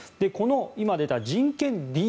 この今出た人権ＤＤ